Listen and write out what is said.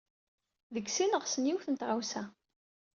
Deg sin ɣsen yiwet n tɣawsa.